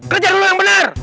kerja dulu yang bener